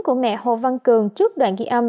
của mẹ hồ văn cường trước đoạn ghi âm